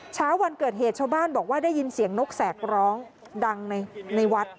เช้าวันเกิดเหตุชาวบ้านบอกว่าได้ยินเสียงนกแสกร้องดังในวัด